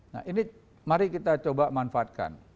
nah ini mari kita coba manfaatkan